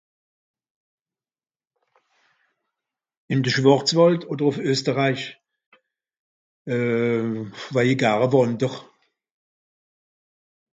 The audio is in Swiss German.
ìn de schwàrzwàld òder ùff österriech euh waije i gare wànder